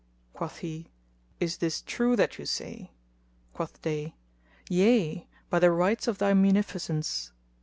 Quoth he, "Is this true that you say?" Quoth they, "Yea! by the rights of thy munificence!"